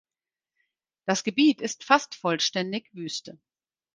Das Gebiet ist fast vollständig Wüste.